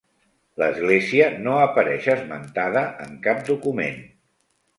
L'església no apareix esmentada en cap document.